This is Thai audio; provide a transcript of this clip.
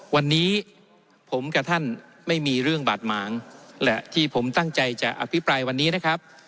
วันนี้ผมกับท่านไม่มีเรื่องบาดหมางและที่ผมตั้งใจจะอภิปรายวันนี้นะครับ